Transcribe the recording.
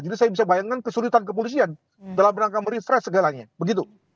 jadi saya bisa bayangkan kesulitan kepolisian dalam rangka meristres segalanya begitu